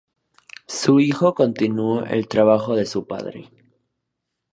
Su hijo continuó el trabajo de su padre.